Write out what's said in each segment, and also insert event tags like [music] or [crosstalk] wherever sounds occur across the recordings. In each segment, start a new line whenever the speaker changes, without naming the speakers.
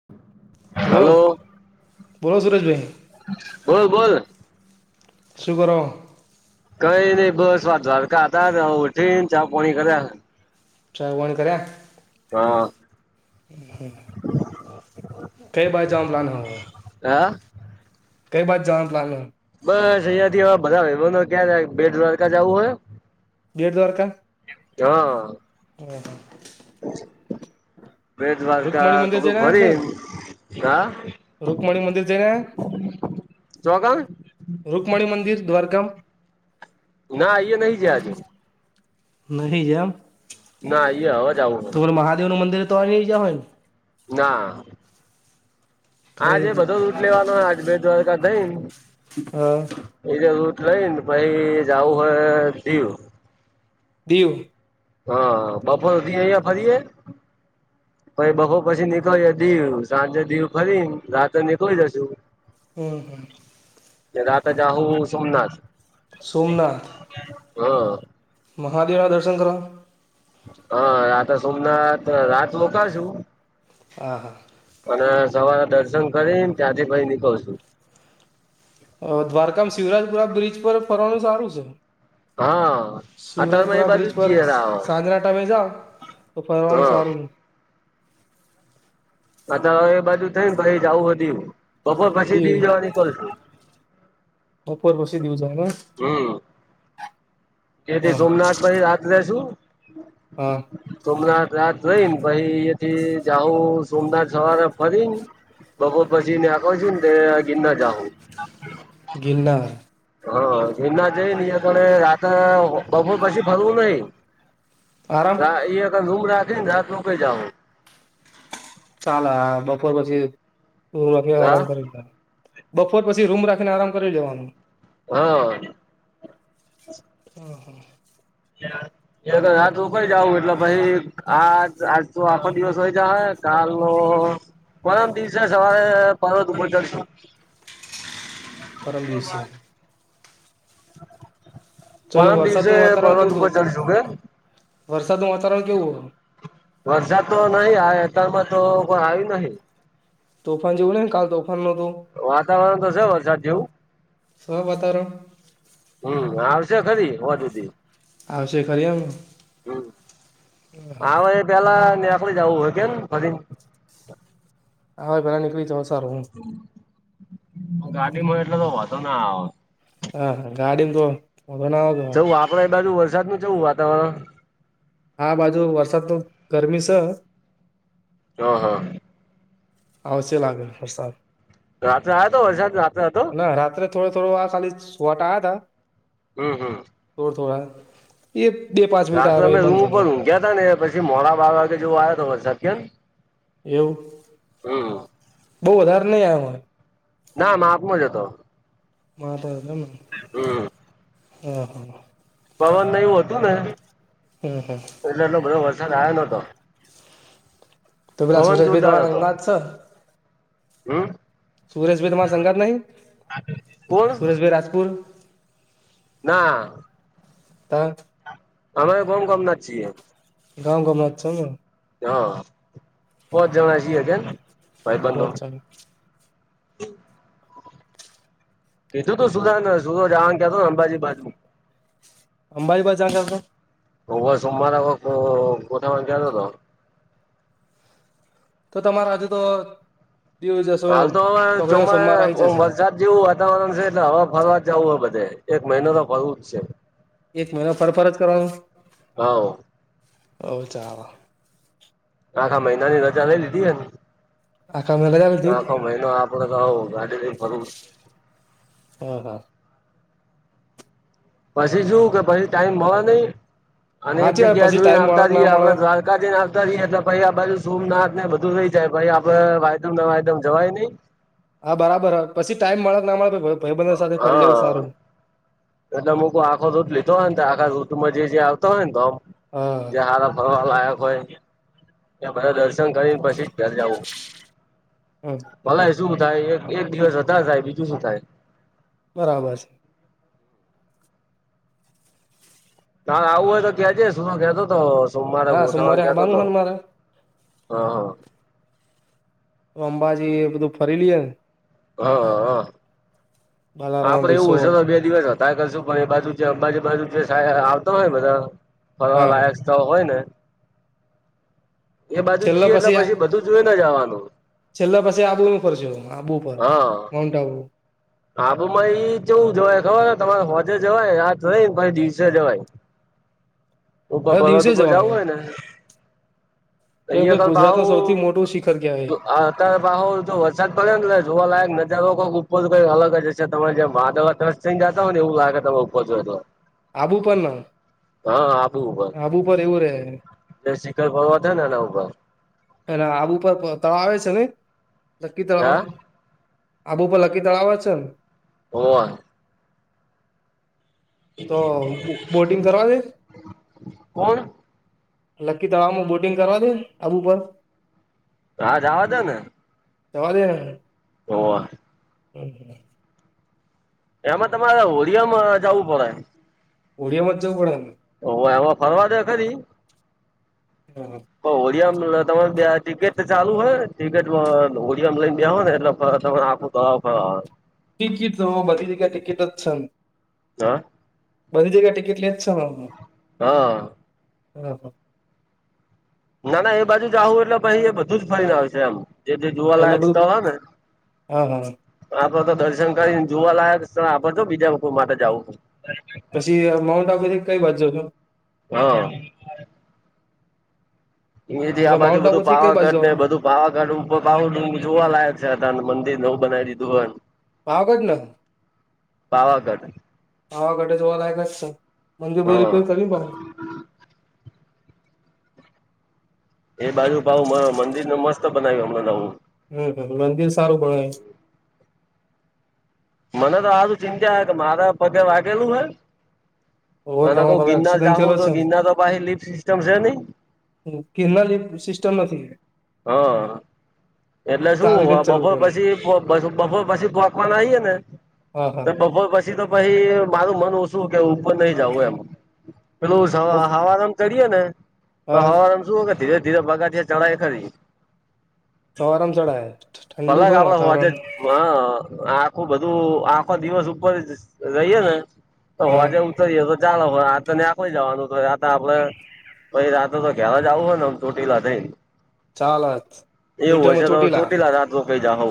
[unintelligible]
Hello! બોલો સુરજ જી
બોલ, બોલ
શુગરો
કઈ નઈિ બસ આ દ્વારકા હતા ઉઠીને ચા પાણી કર્યા
ચાર વણ કર્યા
હ
હ હ કઈ ભાઈ જમલાનું હો
હા?
કઈ બાજ જવાન પ્લાન
બસ અહિયાં થી અવે બજાર, [unintelligible] ક્યા બેટ દ્વારકા જાવું હોય
બેટ દ્વારકા?
હં,
હમ
બેટ દ્વારકા
રૂકમણી મંદિર
થોડુ ફરીન, હા
રુકમણી મંદિર જઈને આયા?
ચોકણ
રુકમણી મંદિર દ્વારકા?
ના, ઈયે નહી જ્યા, અજુ
નહી જ્યા અમ,
ના અહીએ હવે જ
તો
આવું
ઓલુ મહાદેવનું મંદિર તોનઈ જ્યાવયા ન?
ના
ખરી
આજે બધો જ રૂટ લેવાનો, આજ બે દ્વારકા ગઈ ન
હા
ઈજો રૂટ લઈને પહી જાવું હોય દીવ
દીવ
હં, બપોરથી અઈયાં ફરીએ પઈ બપો પછી નીકળીયે દીવ, સાંજે દીવ ફરીન રાત્રે નીકળી જશુ.
હમ હમ.
ને રાતે જાહું સોમનાથ.
સોમનાથ
હમ.
મહાદેવા દર્શન કરવા?
અં, રાતે સોમનાથ, રાત મોકાશું
આ હા.
અને સવારે દર્શન કરીન ત્યાંથી પહી નીકળશું.
અ દ્વારકામાં શિવરાજપુરા બ્રિજ પર ફરવાનું સારું છે.
હા અતારમાં એ
શિવરાજપુરા
બાજુ
બ્રિજ
જ
પર
જીયર આવ
સાંજના ટામે જાઓ તો ફરવાનું
હા
સારું ન
આ તો અવે એ બાજુ થઈ ન પહી જાવું હ દીવ, બપોર પછી દીવ જવા નીકલશું.
બપોર પછી દીવ જા ના?
હમ. એતે
હા
સોમનાથ પહી રાત લેસું
હા.
સોમનાથ રાત રઈન પાહી એથી જાહું સોમનાથ સવારે ફરીન બપો પછી ન્યા પોચ્હુંન તે ગીરનાર જાહું.
ગિરનાર.
હં, ગીરનાર જઈન અઈંયાપડે રાત, બપોર પછી ફરવું નહીં.
આરામ
હા, ઈ અકડ રુમ રાખી ન રાત રોકઈ જાહું.
ચાાલ, આ બપોર પછી દોઢવાગે આરામ
હા
કરી લેહ બપોર પછી રૂમ રાખીને આરામ કરી લેવાનું.
હા.
હ હા.
હથકઈ જાવું એટલે પછી. આજ આજ તો આખો દિવસ હોય જાય કાલનો. પરમ દિવસે સવારે પર્વત ઉપર ચડશું
પરમ દિવસે ચઈંનું
પરમ
વરસાદ
દિવસે
નું વાતાવરણ કેઉ
પર્વત ઉપર
તું?
ચડશું કે
વરસાદનું વાતાવરણ કેવું હ
વરસાદ તો નહીં, આ અતારમાં તો કોઈ આયુ નહી.
તોફાન જેવું નહીં, કાલ તોફાન નોતું?
વાતાવરણ તો સે વરસાદ જેવું.
સ વાતાવરણ
હમ, આવશે ખરી હોંજ હુધી.
આવશે ખરી એમ.
હ આવે એ પેલા નેકડી જવું હોય કેમ ભરી.
હાવે પેલા નીકળી જવ તો સારું હું.
ગાડીમાં એટલે તો વાંધો ના આવો.
હા ગાડી તો મ વોધો ના વ ત
આપણે એ બાજુ વરસાદ નું જવું વાતાવરણ.
હા બાજુ વરસાદ તો, ગરમી છે.
હ હા.
આવશે લાગે વરસાદ.
રાત્રે આવ્યો હતો વરસાદ રાત્રે હતો.
ના રાત્રે થોડો થોડો આ ખાલી છવાટા આયા તા.
હમ હમ.
થોડ થોડા એ બે પાંચ મિનટ આવે ભ બંધ થઈ ગયા.
ગયા ત ને એ પછી મોડા બાર જેવો આવ્યો તો વરસાદ કન.
એવું બઉ વધારે નહી આવ હોય
ના માપનો જ હતો
માત હ હા
પવનને એવું હતું ને
હમ હમ
એટલે એટલો બધો વરસાદ આવ્યો નહતો
તો પેલા સુરેશભાઈ
જોરદાર
તમા
હતો
અંગાત છે
હમ
સુરેશભાઈ તમારા સંઘાત નહી
કોણ
સુરેશભાઈ રાજપુર
ના
ત.
અમે ગોમ ગમના છીએ
ગામ ગમાં છ ને
હા પોચ જણ છીએ કેમ ભાઈ બંધો
પહોંચવાનું
કીધું તું સુધાને સુધ જવાનયા અંબાજી બાજુ
અંબાજી વાદ જાવા નુ કરતો તો
ઉભ સોમવારે કો કોઠા વા ગ ન કતો તો
તો તમારે આજે તો દીવ જશો
હાલ તો હવે જમ
ચોકડીઓ સોમવાર આવી જશે
[unintelligible] જાર જેવું વાતાવરણ છે એટલે હવે ફરવા જવું હોય બધે એક મહિનો તો ફરવું જ છે.
એક મહિના ફર ફરર જ કરવાનું,
હવ
ઓ ચાલ
આખા મહિનાની રજા લઈ લીધી ને
આખા મેલા
તો
બધી
આખો મહિનો આપડે તો આવ ગાડી લઈને ફરવું જ
હા હા-
પછી શું કે પછી ટાઈમ મળે નહી અને એક
હાચી વાત
જગ્યા
પછી
જોઈને
ટાઈમ મળે
આવતા
કે
જઈએ
ના
આપડે
મળે
દ્વારકા કાજી ના આવતા રએ એટલે આ બાજુ સોમનાથ ને બધું રઈ જાય ભ આપડે વામ વાયમ જવાય નઈ
હા બરાબર હ પછી ટાઈમ મળે ના મળે ભાઈબંધ સાથે ફરી લવું
હા
સારું
એટલે અમુક આખો રૂટ લીધો હોય ને તો આખા રૂટમાં જે આવતો હોય ને તો ધોમ ત્યા
હા
હારા ફરવા લાયક હોય ત્યા બધા દર્શન કરીને પછી ઘેર જવું,
હમ
ભલા શું થાય એક એક દિવસ વધારે થાય બીજું શું થાય.
બરાબર છે.
તારે આવું હોય તો કે જે શું તો કેતો હતો સોમવારે
ના
ગોઠવવાનું
સોમવારે
કેતો
આવવાનું
હતો.
હ ને મારે
હ હ
તો અંબાજી એ બધું ફરી લઈએ ને
હા
બાલારામ
આપડે એવું હશે
રિસોર્ટ
તો બે દિવસ હતા કરશું પણ એ બાજુંજુ બાજુ આવતો હોય ને બધા ફરવા
હા હા
લાયક તો હોય ને એ બાજુ
છેલ્લા
જઈએ એટલે
આ
પછી બધું જોુઈ ને જવાનું
છેલ્લા પાછી આબુ ન ફરશ આબુ પર માઉન્ટ આબુ
હાબ મા એ જોવું જોવાય ખબર તમારે હોજે જવાય રાત રઈ ને પછી દિવસે જવાય ઉભા
હવે દિવસે
ભવાતભર જવું
જવાનું
હોય ને ત
કેમ કે
અગલ
ગુજરાતનું
ભહુ
સૌથી મોટું શિખર કહેવાય
વરસાદ પડે ને લ જોવાલાયક નજારો ઉપર ઈ અલગ જ હશે તમે જે મા દવા ત્રસ થઈ જતા હો ને એવું લાગે તમે ઉપો જો તો
આબું પણણ
હા આપ્યું ઉભા
રે
એ શખર ભરવા થ ને એના ઉભા
અને આબ ઉપર તળાવ આવે છે ને લકી તળાવ
હા
આબુ પણ લકી તળાવ છે ને
હો
તો બોટિંગ કરવા દે?
કોણ?
લક્કી તળમાં બોટિંગ કરવા દે આબુ પર?
હ જવાજો ને.
જવાદ ન.
હો.
હમ હમ.
એમાં તમારે હોડિયામાં જવું પડે.
ઓડિયામાં જવું પડે ને.
ઓ એમાં ફરવા દે ખરી?
હા.
હોળિયામાં તમા ટિકિટ ચાલુ હોયને ટિકિટ હોળિયામાં લઈને ગયા હોય ને એટલે તો હ.
ટિકિટ તો બધી જગ્યા ટિકિટ જ છે ને.
હા.
બધી જગ્યા ટિકિટ લે જ છે હ
હા
હ.
ના ના એ બાજુ જ આવું એટલે પછ એ બધું જ ફરીને આવ છે એમ. જે જે
એટલે
જોવાલાયક
બધું
સ્થળ હોઈ ને.
હા હા
આપડે તો દર્શન કરીને જોવા લયક છે આપડે જો બીજા માટે જવું.
પછી માઉન્ટ આબુ થી કઈ બાજ જજો?
હા. જી
એટલે
આ બાજુ
માઉન્ટ આબુ
બધું
થી કઈ બાજુ
પાવાગઢ ને
જવાનું
બધું વાવાગાઢર બાઉડું જોવા લાયક છે હતાને મંદિર નવ બનાવી દીધુંને.
પાવાગઢ ને?
પાવાગઢ.
પાવાગઢ જોવા લાયક ક છે સર મંદિર બધી
હા
રિપેર [unintelligible]
એ બાજુ ભાવ મંદિરને મસ્ત બનાવ્યું હમણાં નવું.
હમ મંદિર સારું બના
મને તો આજ ચિંતા હ કે મારા પગે વાગેલું હે
ઓ
અને ના
તમારો
ક
પેલો
ગિરનાર
એક્સિડન્ટ
જાઉ
થયેલો
તો
છે
ગિરનાર તો ભ લિપ સિસ્ટમ સ નહી.
ગિરનાર સિસ્ટમ નથી.
હા. એટલે શું
ચાલીને જ ચડવું
બપોર અ
પડે
પછી બપોર પછી પોંકવાના આઈએે ને
હા
તો
હા
બપોર પછી તો પહી મારું મન ઓછું કે ઉપર નહીં જાવું એમ. પેલું
બો
સવા હવારમા ચઢીએ ને તો
હા
હવા પણ શું ધીરે ધીરે પગથિયાં ચડાય ખરી.
સવારામ ચઢાય.
પલાક આપડે હોજે જ હ આખું બધું આખો દિવસ ઉપર રઈએ ને તો
હા
હોજે ઉતરીએ તો ચાલે આ તો આખોઈ જાવાનું આ તો આપડે પછી રાતે તો ઘેર જ આવું હેને આમ ચોટીલા થઈન.
ચાલત
એવું હોય છે તો ચોટીલા રા રોકાઈ જાહુ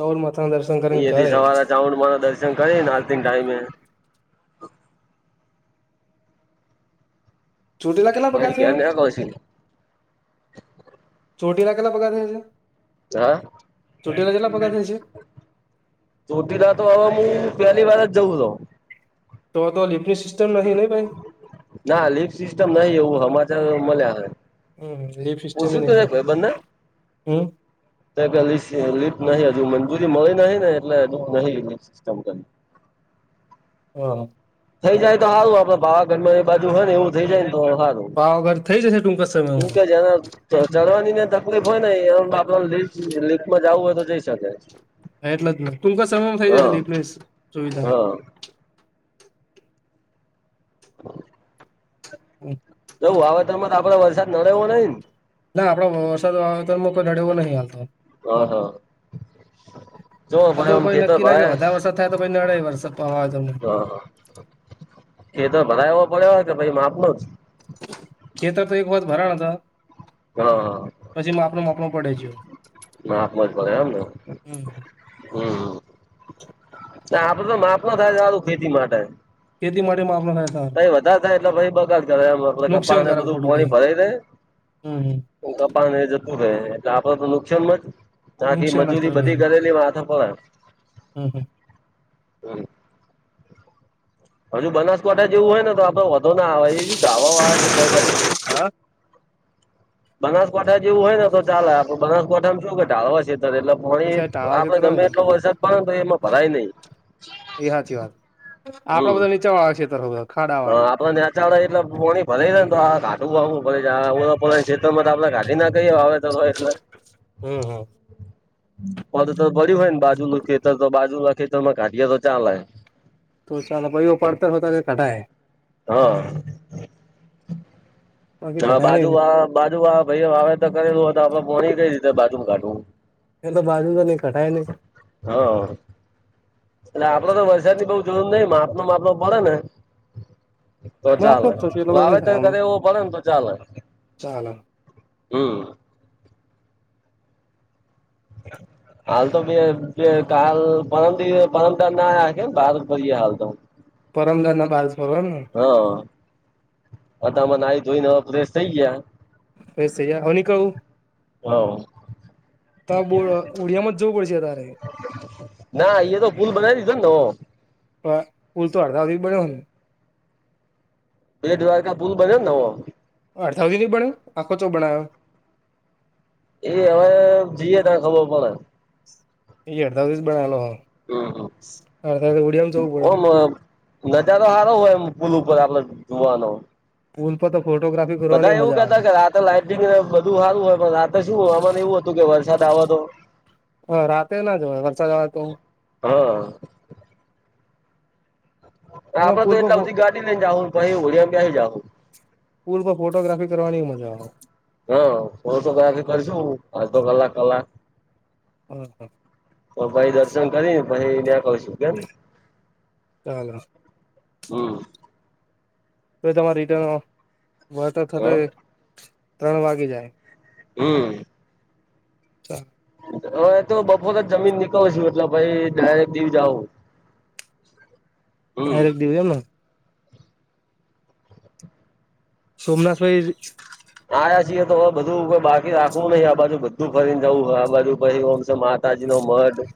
ચૌલ માથાના દર્શન કરીને ઘરે
સવારે જાવાનું માના દર્શન કરીન આરતી ન ટાઈમે
ચોટીલા કેટલા પગિયા છે?
પસી
ચોટીલા કેટલા પગથિયાં છે?
ચા.
ચોટીલા કેટલા પગાર થાય છે
ચોટીલા તો અવે મુ પેહલી વાર જ જઉં શુ.
તો તો લિફ્ટની સિસ્ટમ નહીં ને ભાઈ?
ના લીફ સિસ્ટમ નહીં એવું હમાચાર મલ્યા હે.
અમ હમ્મ લીફ સિસ્ટેમ હી
પૂછ્યું
નહીં
તું
હો
એક
હમ્મ.
તા કા લીફ લીફ્ટ નહીં હજુ મંજૂરી મળી નહીં ને એટલે અજુ નહીં લીફ્ક સિસ્ટમ કઈ.
હા.
થઈ જાય તો હારું આપડે પાવાગઢમાં એ બાજુ હોયને એવું થઈ જાય ને તો હારું.
પાવાગઢ થઈ જશે ટૂંક જ
એમ
સમયમાં
કે જરા ચઢવાનીને તકલીફ હોય ને એ બા લી લીફમાં જાવું હોય તો જઈ શકે.
હા એટલે જ ને! ટૂંકા સમયમાં થઈ જાહે
હા
લીફ્ટની સુવિધા.
હા
ઉમ.
જ વાવેતરમાં તો આપડે વરસાદ નડે એવો નહીં ને?
ના આપડો વરસાદ વાવેતરમાં કોઈ નડે એવો નહીં હાલતો.
અ હ.
આ તો કોઈ નક્કી ના કે વધારે વરસાદ થાય તો પહી નડેય વરસાદ પવા [unintelligible]
હા હા ખેતર ભરાય એવો પડ્યો હે કે પછી માપનું જ?
ખેતર તો એકવાર ભરાણા હતાં.
હ.
પછી માપનું માપણું પડે જયો.
માપમાં જ પડે એમને. હમ્મ, તા આપડુ તો માપમા થાય છે હારુ ખેતી માટે.
ખેતી માટે માપનો હે.
પહી વધાર થાય એટલે પહી બગાડ કરે એમ આપણે
નુકસાન
કપાને
કરાવ
બધું
ખોટું
પોણી
ભાઈ
ભરાય રેય.
હમ હમ
ઉ કપાને એ જતું રહેે એટલે આપડે તો નુકસાનમાં જ. તાથી
નુકસાન જ
મજૂરી
કરે
બધી
ભાઈ.
કરેલી વાત હાભળ
હમ હમ
હમ્મ. હજુ બનાસકાંઠા જેવું હોય ને તો આપડે વધો ના આવે એ ધાવાવાળા છે [unintelligible]
હા
બનાસકાંઠા જેવું હોય ને તો ચાલે આપણે બનાસકાંઠામાં શું ધાબાના સે એટલે
એ
પોણી
સાઈડ ટાળા
આપણે
ક્ષેત્ર હોય
ગમે
ને
એટલો વરસાદ પડે તોય એમાં ભરાય નહીં.
એ હાચી વાત આપડા બધાં નીચાવાળા છેે ખેતરો હ.
અ આપોને યાર એટલા પાણી ભરાયાય ને તો આ ઘાટું વાું ભરે છે પોતાના ક્ષત્રમાં તો આપણેે ઘાટી ના કહીએ હ ય [inaudible]
હમ્મ હમ્મ.
પ [unintelligible] તો ભર્યું હોય ને બાજુનું ખેતર તો બાજુના ખેતરમાં કાઢિયે તો ચાલે.
તો ચાલો ભાઈઓ પડતર હોતા તો કઢાય.
હ
બાકી
એમાં
કઢાય નહી
બાજુવાળા બાજુવાળા ભાઈ વાવે તો કરેલું તો આપણે પોણી કઈ રીતે બાજુ મ કાઢવું?
એ તો બાજુ વાલે કઢાય નહીં.
હા એટલે આપડે તો વરસાદ ની બઉ જોરૂર નઈ માપ નું માપલો પડે ને તો
માપનો
ચાલે
જ થશે એટલે બધું નઈ
વાવેતર
થાય અમે
કરે એવુ પડે તો ચાલે
ચાલો
હમ હ [inaudible] હાલ તો બે બે કાલ પરમ દિ એ પરમ દાડ ન રાખ્યો બહાર પડી હાલ તો
પરમગર ના પાસ ફ
હા અતમાં નાઈ ધોઈને ફ્રેશ થઇ ગયાં
ફ્રેશ થઈ ગયા હવે નીકળું.
હોવ
ત બ ઓડિયામાં જ‌ઉ પડશે તારે
ના ઇયા તો પુલ બનાવી દીધો ને નવો
પલ તો અડધા વધધી બડ્યો હો ને
બેડ દ્વારકા પુલ બન્યો ને નવો.
અડધઉ નહ બન્યો આખો ચો બણ્યો
એ હવે જઈએ તાણ ખબર પડે
એ અડધા બ્રિજ બનાલો હ અડધા
પડે
હોડિયામાં જવું પડેઆમ જવું પડે
ઓમ નજારો હારો હોય એમ પુલ ઉપર આપડ જોવાનો
પુલ તો તો ફોટોગ્રાફી
બધા
કરવાની
એવું
મજા
કેતા
આવે
કે રાતે લાટિંગ બધું હારું હોય પણ રાતે શું હવામાન એવું હતું કે વરસાદ આવો તો
હ રાતે ના જવાય વરસાદ આવ તો
હા
અને
આપડે
પુલ
તો
પર
એટલા
ફો
સુધી ગાડી લઈને જાવ ને પહિ હોળીમાં બેહી જાવું.
પૂલ પર ફોટોગ્રાફી કરવાની મજા આવે
હ ફોટોગ્રાફી કરીશું અડધો કલાક કલાક
હમ હમ
તો ભાઈ દર્શન કરીને પછી ત્યાં પહોંચશું કેમ
ચાલો
હા
તો એ તમારા રિટર્ન વળતર
હ
થતા ત્રણ વાગી જાય
હું
ચાલ
હવે એ તો બપોર જમીન નીકળ છુ એટલે ભાઈ ડાયરેક્ટ દીવ જાવ [unintelligible]
ડાયરેક્ટ દીવ માં સોમનાથ ભાઈ
આયા છીએ તો હવે બધું બાકી રાખવું નહી આ બાજુ બધું ફરીને જવું આ બાજુ પછી ઓમ તાજી ન મઢ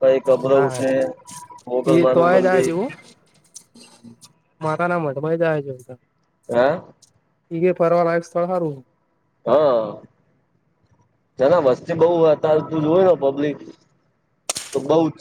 કઈક અભરવ
હા
છે
એ
મોગલમાં નું
તોય જાય
મંદિર
જેવું માતા ના મઢમાં જાય છે બઘાં
હા
ઈ એ ફરવા લાયક સ્થળ હારું
હા જની વસ્તી બઉ હતા તું જોય પબ્લિક તો બઉ જ